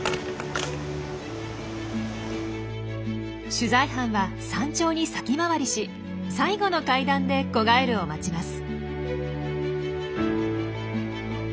取材班は山頂に先回りし最後の階段で子ガエルを待ちます。